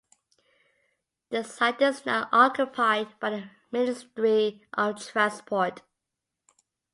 The site is now occupied by the Ministry of Transport.